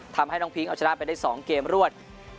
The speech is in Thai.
ทำให้น้องพิงเอาชนะไปได้๒เกมรวด